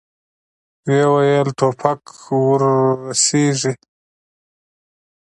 ويې ويل: ټوپک ور رسېږي!